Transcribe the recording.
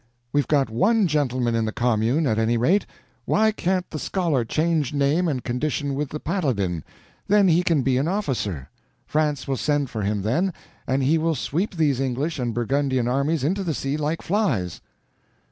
We've got one gentleman in the commune, at any rate. Why can't the Scholar change name and condition with the Paladin? Then he can be an officer. France will send for him then, and he will sweep these English and Burgundian armies into the sea like flies."